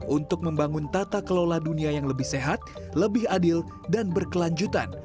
untuk membangun tata kelola dunia yang lebih sehat lebih adil dan berkelanjutan